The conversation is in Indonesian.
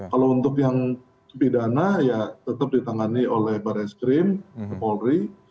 kalau untuk yang pidana ya tetap ditangani oleh barreskrim ke polri